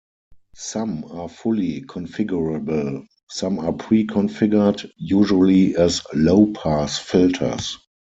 Some are fully configurable; some are pre-configured, usually as low-pass filters.